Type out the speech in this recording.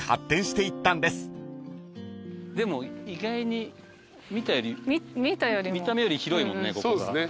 でも意外に見た目より広いもんね